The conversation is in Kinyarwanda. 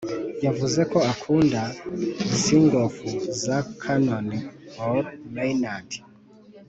yavuze ko akunda singoff za connor maynard